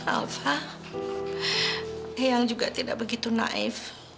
alva eyang juga tidak begitu naif